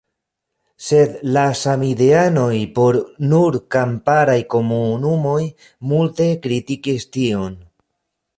Sed la samideanoj por nur kamparaj komunumoj multe kritikis tion.